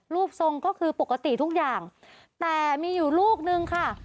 รูปทรงก็คือปกติทุกอย่างแต่มีอยู่ลูกนึงค่ะ